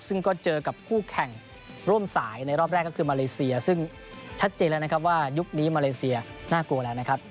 ซึ่งก็เจอกับคู่แข่งร่วมสายในรอบแรกก็คือมาเลเซียซึ่งชัดเจนแล้วนะครับว่ายุคนี้มาเลเซียน่ากลัวแล้วนะครับ